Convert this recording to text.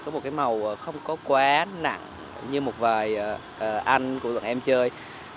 có một cái màu không có quá nặng như một vài anh của bọn em chơi